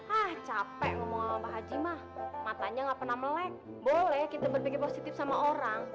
ah capek ngomong sama mbak haji mah matanya nggak pernah melek boleh kita berpikir positif sama orang